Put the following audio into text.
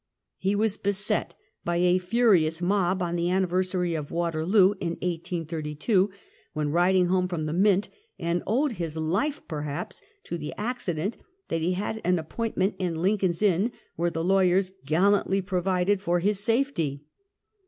He was beset by a furious mob on the anniversary of Waterloo in 1832, when riding home from the Mint, and owed his life, perhaps, to the accident that he had an appointment in Lincoln's Inn, where the lawyers gallantly provided for his safety.